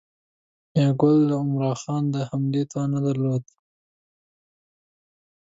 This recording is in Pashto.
میاګل د عمرا خان د حملې توان نه درلود.